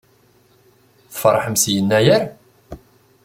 Tfeṛḥem s Yennayer?